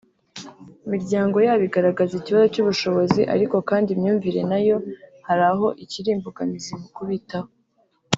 Imiryango yabo igaragaza ikibazo cy’ubushobozi ariko kandi imyumvire na yo hari aho ikiri imbogamizi mu kubitaho